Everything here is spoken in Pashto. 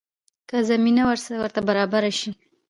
که زمینه ورته برابره شي.